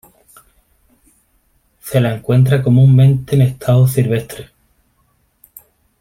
Se la encuentra comúnmente en estado silvestre.